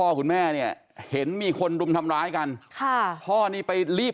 ก็คือฝั่งเราอ่ะไม่มีใครยอมตัวคนตอนเนี้ย